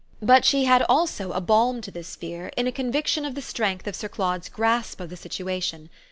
But she had also a balm to this fear in a conviction of the strength of Sir Claude's grasp of the situation.